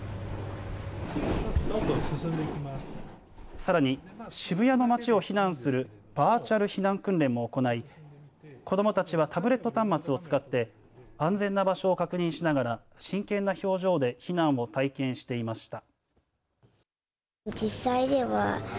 さらに渋谷の街を避難するバーチャル避難訓練も行い子どもたちはタブレット端末を使って安全な場所を確認しながら真剣な表情で避難を体験していました。